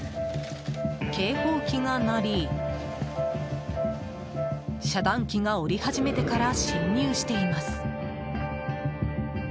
警報器が鳴り、遮断機が下り始めてから進入しています。